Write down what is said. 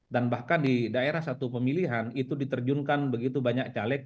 dan bahkan di daerah satu pemilihan itu diterjunkan begitu banyak caleg